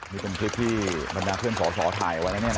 นี่เป็นคลิปที่บรรดาเพื่อนสอสอถ่ายไว้นะเนี่ยนะ